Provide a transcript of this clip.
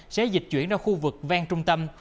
sẽ dịch chuyển ra khu vực ven trung tâm